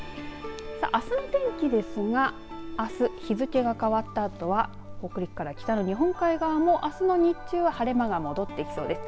あすは日付が変わったあとは北陸から北の日本海側も日中は晴れ間が戻ってきそうです。